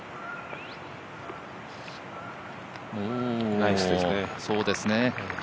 ナイスですね。